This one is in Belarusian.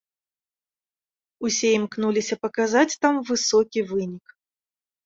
Усе імкнуліся паказаць там высокі вынік.